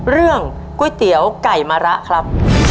เรื่องก๋วยเตี๋ยวไก่มะระครับ